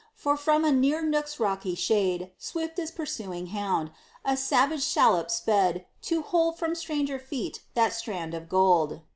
For from a near nook's rocky shade, Swift as pursuing hound, A savage shallop sped, to hold From stranger feet that strand of gold.